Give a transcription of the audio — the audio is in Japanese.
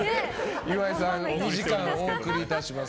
岩井さん、２時間お送りいたします。